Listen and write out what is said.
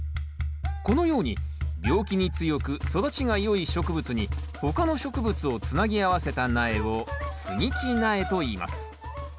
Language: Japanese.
このように病気に強く育ちがよい植物に他の植物をつなぎ合わせた苗を接ぎ木苗といいます。